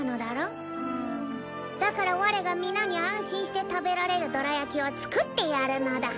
だからワレが皆に安心して食べられるどら焼きを作ってやるのだ。